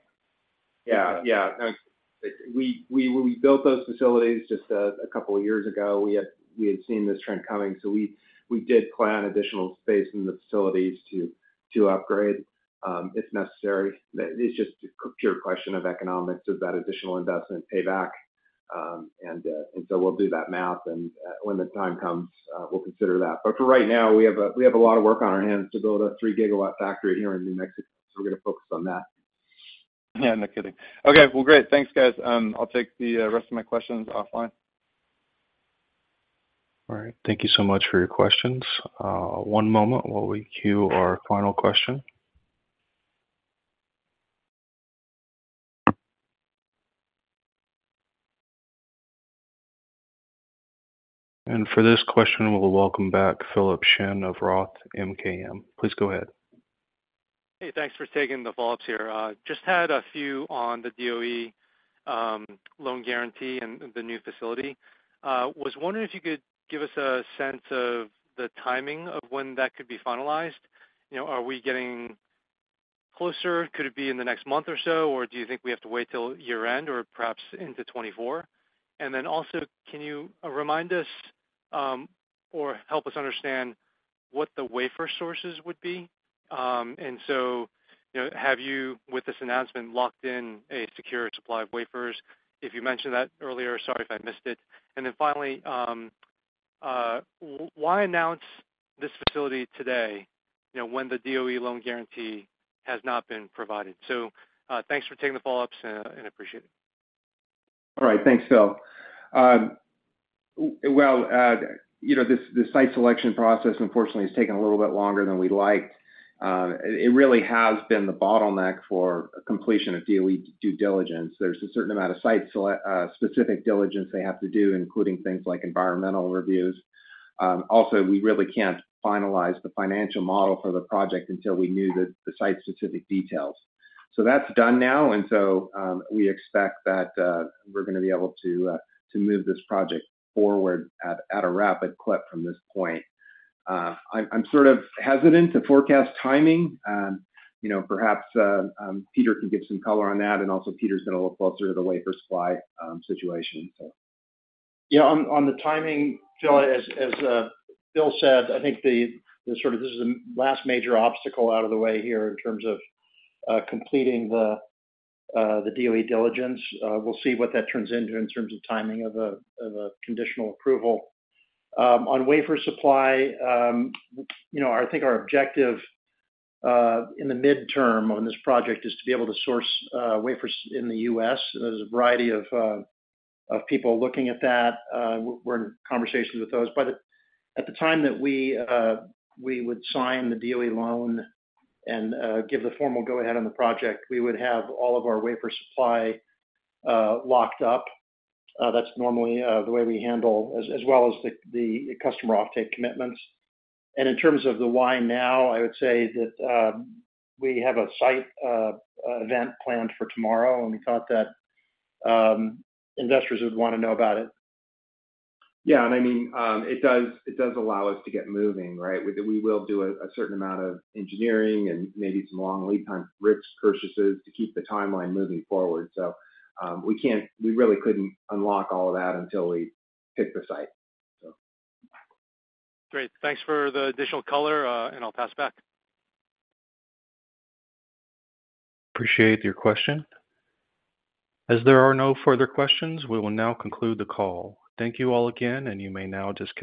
Yeah. Yeah. We, built those facilities just a couple of years ago. We had, we had seen this trend coming, so we, we did plan additional space in the facilities to, to upgrade, if necessary. It's just a pure question of economics, does that additional investment pay back? So we'll do that math, and when the time comes, we'll consider that. For right now, we have a lot of work on our hands to build a 3-gigawatt factory here in New Mexico, so we're gonna focus on that. Yeah, no kidding. Okay. Well, great. Thanks, guys. I'll take the rest of my questions offline. All right. Thank you so much for your questions. One moment while we queue our final question. For this question, we'll welcome back Philip Shen of Roth MKM. Please go ahead. Hey, thanks for taking the follow-ups here. Just had a few on the DOE loan guarantee and the new facility. Was wondering if you could give us a sense of the timing of when that could be finalized. You know, are we getting closer? Could it be in the next month or so, or do you think we have to wait till year-end or perhaps into 2024? Also, can you remind us or help us understand what the wafer sources would be? So, you know, have you, with this announcement, locked in a secure supply of wafers? If you mentioned that earlier, sorry if I missed it. Finally, why announce this facility today, you know, when the DOE loan guarantee has not been provided? Thanks for taking the follow-ups and appreciate it. All right. Thanks, Phil. Well, you know, this, the site selection process, unfortunately, has taken a little bit longer than we'd liked. It, it really has been the bottleneck for completion of DOE due diligence. There's a certain amount of site specific diligence they have to do, including things like environmental reviews. Also, we really can't finalize the financial model for the project until we knew the, the site-specific details. That's done now, and so, we expect that, we're gonna be able to, to move this project forward at, at a rapid clip from this point. I'm, I'm sort of hesitant to forecast timing. You know, perhaps, Peter can give some color on that, and also Peter's got a little closer to the wafer supply, situation, so. On the timing, Phil, as Bill said, I think. This is the last major obstacle out of the way here in terms of completing the DOE diligence. We'll see what that turns into in terms of timing of a conditional approval. On wafer supply, you know, I think our objective in the midterm on this project is to be able to source wafers in the US. There's a variety of people looking at that. We're in conversations with those. At the time that we would sign the DOE loan and give the formal go-ahead on the project, we would have all of our wafer supply locked up. That's normally the way we handle... as, as well as the, the customer offtake commitments. In terms of the why now, I would say that, we have a site, event planned for tomorrow, and we thought that, investors would want to know about it. Yeah, I mean, it does, it does allow us to get moving, right? We, we will do a certain amount of engineering and maybe some long lead time risk purchases to keep the timeline moving forward. We really couldn't unlock all of that until we picked the site, so. Great. Thanks for the additional color, I'll pass back. Appreciate your question. As there are no further questions, we will now conclude the call. Thank you all again. You may now disconnect.